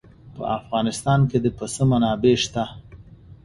په افغانستان کې د پسه منابع شته.